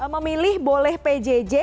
memilih boleh pjj